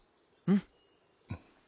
うん。